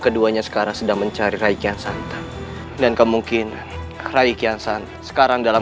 keduanya sekarang sedang mencari rakyat santang dan kemungkinan rakyat santang sekarang dalam